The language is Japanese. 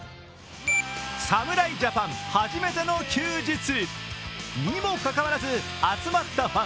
侍ジャパン、初めての休日にもかかわらず集まったファン。